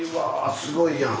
すごいやん。